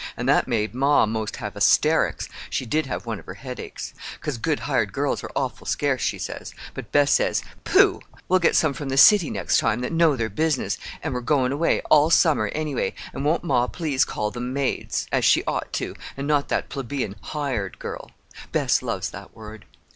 An' that made ma 'most have hysterics—she did have one of her headaches—'cause good hired girls are awful scarce, she says. But Bess says, Pooh! we'll get some from the city next time that know their business, an' we're goin' away all summer, anyway, an' won't ma please call them 'maids,' as she ought to, an' not that plebeian 'hired girl.' Bess loves that word.